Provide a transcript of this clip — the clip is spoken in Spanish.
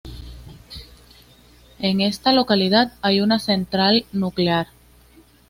En esta localidad hay una central nuclear.